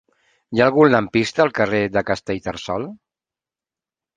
Hi ha algun lampista al carrer de Castellterçol?